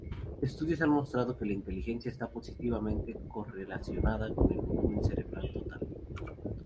Estudios han mostrado que la inteligencia está positivamente correlacionada con el volumen cerebral total.